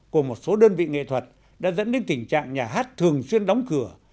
của một số đơn vị nghệ thuật đã dẫn đến tình trạng nhà hát thường xuyên đóng cửa